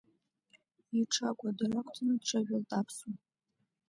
Иҽы акәадыр ақәҵаны дҽыжәылт аԥсуа.